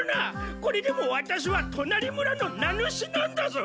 これでもワタシはとなり村の名主なんだぞ！